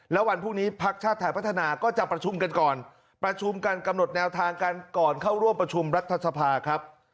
แล้ววันพรุ่งนี้ภักดิ์ชาติไทยพัฒนาก็จะประชุมกันก่อนประชุมกันกำหนดแนวทางกันก่อนเข้าร่วมประชุมรัฐสภาครับ